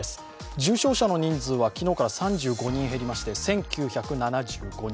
重症者の人数は昨日から３５人減りまして１９７５人。